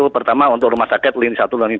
pertama untuk rumah sakit lini satu dan lini dua